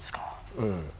うん。